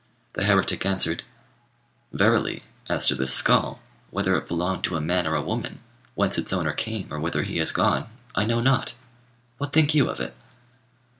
The heretic answered "'Verily, as to this skull, whether it belonged to a man or a woman, whence its owner came or whither he has gone, I know not. What think you of it?"